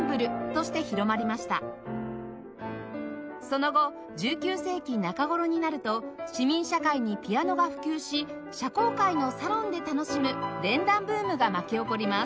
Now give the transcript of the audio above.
その後１９世紀中頃になると市民社会にピアノが普及し社交界のサロンで楽しむ連弾ブームが巻き起こります